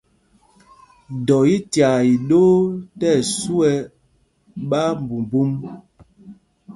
Dɔ í tyaa iɗoo tí ɛsu ɛ ɓáámbumbūm.